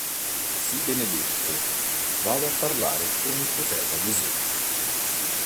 Sii benedetto, vado a parlare con il profeta Gesù!".